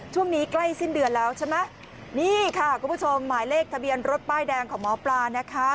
ช่วงนี้ใกล้สิ้นเดือนแล้วใช่ไหมนี่ค่ะคุณผู้ชมหมายเลขทะเบียนรถป้ายแดงของหมอปลานะคะ